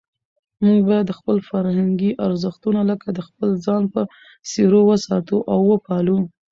موږ باید خپل فرهنګي ارزښتونه لکه د خپل ځان په څېر وساتو او وپالو.